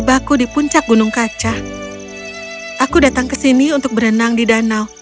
aku datang ke sini untuk berenang di danau